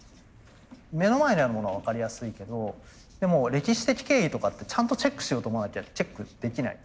目の前にあるものは分かりやすいけどでも歴史的経緯とかってちゃんとチェックしようと思わなきゃチェックできない。